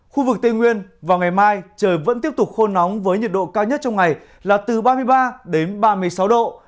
khu vực tây nguyên vào ngày mai trời vẫn tiếp tục khôn nóng với nhiệt độ cao nhất trong ngày là từ ba mươi ba đến ba mươi sáu độ